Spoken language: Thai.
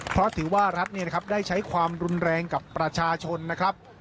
เพราะถือว่ารัฐได้ใช้ความรุนแรงกับประชาชนนะครับ